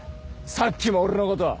さっきも俺のことを。